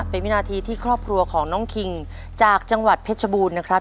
เป็นวินาทีที่ครอบครัวของน้องคิงจากจังหวัดเพชรบูรณ์นะครับ